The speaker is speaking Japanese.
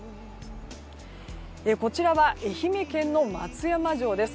こちらは愛媛県の松山城です。